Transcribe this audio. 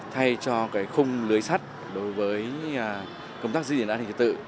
thay cho khung lưới sắt đối với công tác diễn án hình thị tự